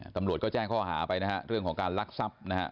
ตำรวจก็แจ้งข้อหาไปนะฮะเรื่องของการลักทรัพย์นะฮะ